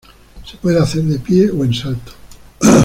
Se puede hacer de pie o en salto.